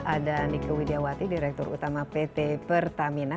ada niko widjawati direktur utama pt pertamina